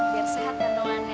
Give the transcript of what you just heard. biar sehat kandungannya